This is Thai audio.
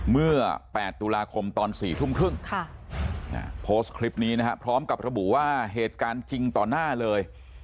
เมื่อ๘ตุลาคมตอน๔ทุ่มครึ่งโพสต์คลิปนี้นะครับพร้อมกับระบุว่าเหตุการณ์จริงต่อหน้าเลย